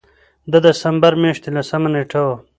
د دسمبر مياشتې لسمه نېټه وه